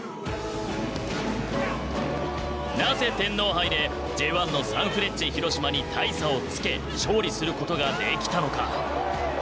なぜ天皇杯でＪ１のサンフレッチェ広島に大差をつけ勝利することができたのか？